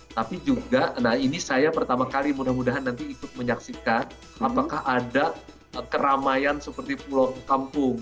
tapi juga nah ini saya pertama kali mudah mudahan nanti ikut menyaksikan apakah ada keramaian seperti pulau kampung